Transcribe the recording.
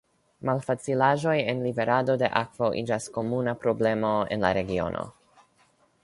Malfacilaĵoj en liverado de akvo iĝas komuna problemo en la regiono.